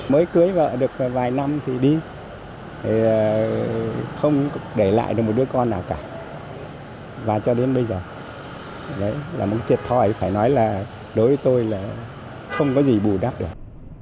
mới cưới vợ được vài năm thì đi không để lại được một đứa con nào cả và cho đến bây giờ đấy là một thiệt thòi phải nói là đối với tôi là không có gì bù đắp được